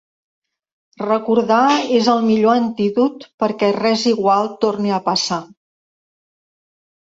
Recordar és el millor antídot perquè res igual torne a passar.